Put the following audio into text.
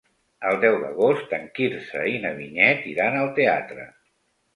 El deu d'agost en Quirze i na Vinyet iran al teatre.